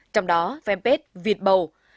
trong đó phem bếp việt bầu